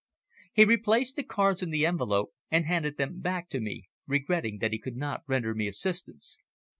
He replaced the cards in the envelope and handed them back to me, regretting that he could not render me assistance.